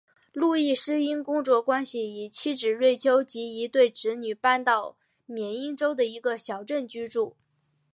路易斯因工作关系与妻子瑞秋及一对子女搬到缅因州的一个小镇居住。